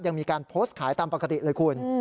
ยังมีการโพสต์ขายตามปกติเลยคุณ